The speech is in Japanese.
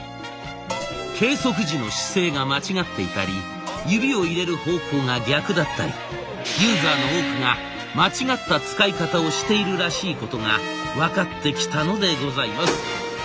計測時の姿勢が間違っていたり指を入れる方向が逆だったりユーザーの多くが間違った使い方をしているらしいことが分かってきたのでございます。